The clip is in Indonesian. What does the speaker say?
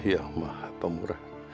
yang maha pemurah